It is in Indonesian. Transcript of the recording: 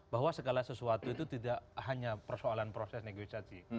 bahwa segala sesuatu itu tidak hanya persoalan proses negosiasi